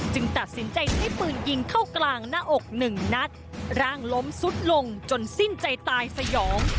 ตัดสินใจใช้ปืนยิงเข้ากลางหน้าอกหนึ่งนัดร่างล้มสุดลงจนสิ้นใจตายสยอง